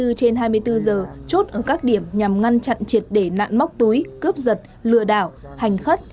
lực lượng công an có mặt hai mươi bốn trên hai mươi bốn giờ chốt ở các điểm nhằm ngăn chặn triệt để nạn móc túi cướp giật lừa đảo hành khất